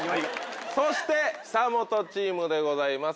そして久本チームでございます。